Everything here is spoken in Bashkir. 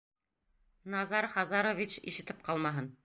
Назар Хазарович ишетеп ҡалмаһын!